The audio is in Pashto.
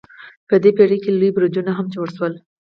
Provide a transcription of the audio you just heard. په دې پیړۍ کې لوی برجونه هم جوړ شول.